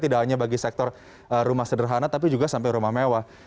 tidak hanya bagi sektor rumah sederhana tapi juga sampai rumah mewah